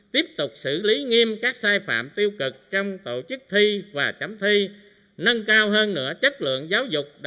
tiếp tục xử lý nghiêm các sai phạm tiêu cực trong tổ chức thi và chấm thi nâng cao hơn nữa chất lượng giáo dục